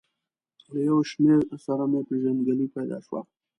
له یو شمېر سره مې پېژندګلوي پیدا شوه.